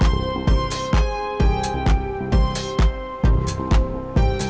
emang kamu corak satu bagi lagi kali